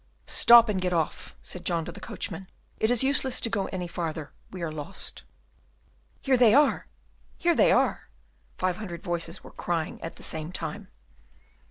"Stop and get off," said John to the coachman; "it is useless to go any farther; we are lost!" "Here they are! here they are!" five hundred voices were crying at the same time.